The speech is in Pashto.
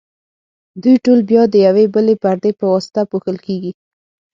دوی ټول بیا د یوې بلې پردې په واسطه پوښل کیږي.